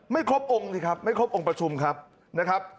ไม่ครบองค์สิครับไม่ครบองค์ประชุมครับนะครับ